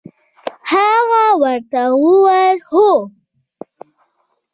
هغه ورته وویل: هو.